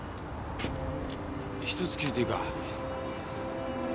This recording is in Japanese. １つ聞いていいか？